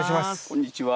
こんにちは。